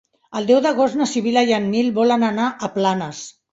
El deu d'agost na Sibil·la i en Nil volen anar a Planes.